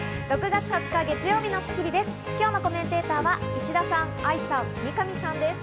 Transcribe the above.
６月２０日、月曜日の『スッキリ』です。